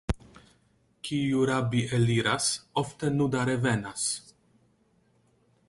Kiu rabi eliras, ofte nuda revenas.